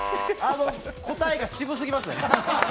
答えが渋すぎますね。